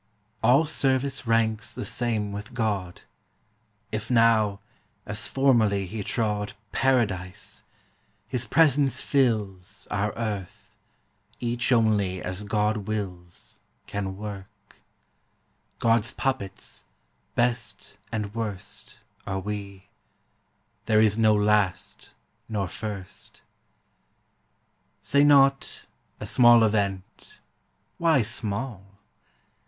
All service ranks the same with God: If now, as formerly he trod Paradise, his presence fills Our earth, each only as God wills Can work God's puppets, best and worst, Are we; there is no last nor first. Say not "a small event"! Why "small"?